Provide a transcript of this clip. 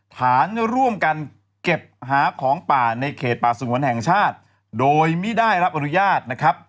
ฐานร่วมกันเก็บหาของป่าในเขตป่าสงวนแห่งชาติโดยไม่ได้รับอนุญาตนะครับ